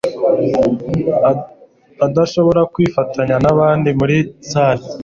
adashobora kwifatanya nabandi muri salle